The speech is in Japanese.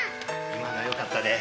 今のよかったで。